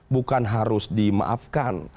bukan harus dimaafkan